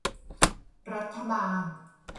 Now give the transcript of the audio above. รัฐบาล